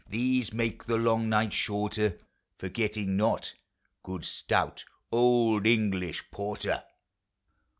These make the long night shorter, — Forgetting not Good stout old English porter.